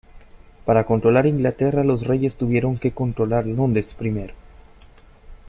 Para controlar Inglaterra, los reyes tuvieron que controlar Londres primero.